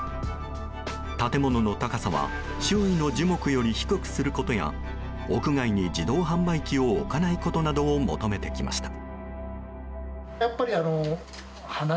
建物の高さは周囲の樹木より低くすることや屋外に自動販売機を置かないことなどを求めてきました。